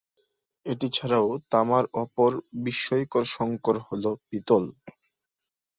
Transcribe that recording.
এটি ছাড়াও তামার অপর বিস্ময়কর সংকর হল পিতল।